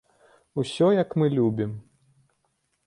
Усё, як мы любім.